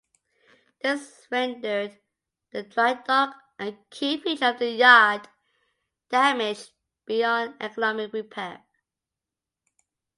This rendered the drydock, a key feature of the yard, damaged beyond economic repair.